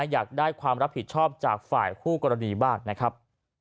อยากได้ความรับผิดชอบจากฝ่ายคู่กรณีบ้างนะครับ